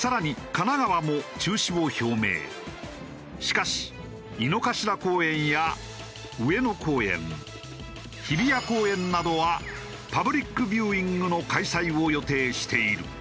しかし井の頭公園や上野公園日比谷公園などはパブリックビューイングの開催を予定している。